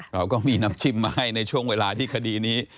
เราก็มีน้ำจิ้มมาให้ในช่วงเวลาที่คดีนี้